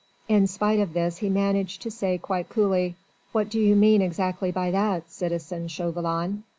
In spite of this he managed to say quite coolly: "What do you mean exactly by that, citizen Chauvelin?"